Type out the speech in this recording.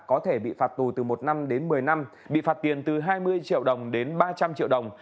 có thể bị phạt tù từ một năm đến một mươi năm bị phạt tiền từ hai mươi triệu đồng đến ba trăm linh triệu đồng